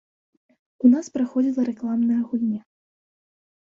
У нас праходзіла рэкламная гульня.